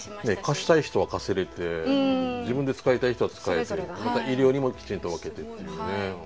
貸したい人は貸せれて自分で使いたい人は使えて医療にもきちんと分けてっていうね。